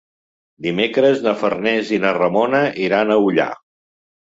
Dimecres na Farners i na Ramona iran a Ullà.